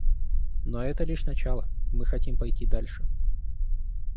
Но это лишь начало; мы хотим пойти дальше.